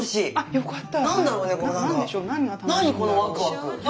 よかった。